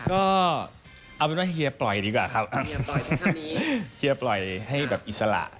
ก็เอาเป็นว่าเฮียปล่อยดีกว่าครับเฮียปล่อยให้แบบอิสระ